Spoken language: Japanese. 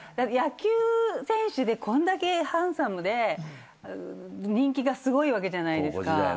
野球選手でこんだけハンサムで人気がすごいわけじゃないですか。